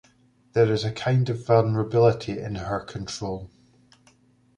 There is a kind of vulnerability in her control.